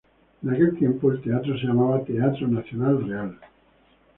En aquel tiempo el teatro se llamaba "Teatro Nacional Real".